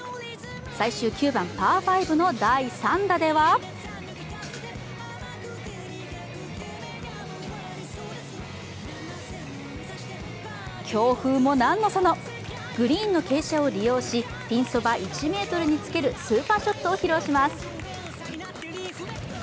最終９番パー５の第３打では強風も何のそのグリーンの傾斜を利用しピンそば１ｍにつけるスーパーショットを披露します。